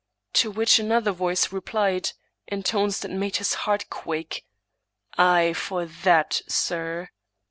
" to which another voice replied, in tones that made his heart quake, " Aye, for that, sir."